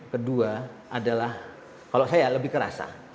kedua adalah kalau saya lebih ke rasa